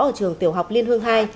ở trường tiểu học liên hương hai